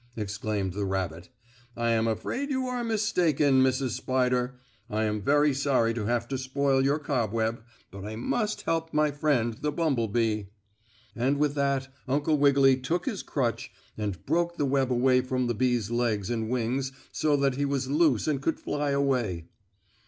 exclaimed the rabbit. "I am afraid you are mistaken, Mrs. Spider. I am very sorry to have to spoil your cobweb, but I must help my friend, the bumble bee." And with that Uncle Wiggily took his crutch, and broke the web away from the bee's legs and wings so that he was loose and could fly away.